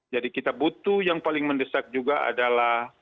kita butuh yang paling mendesak juga adalah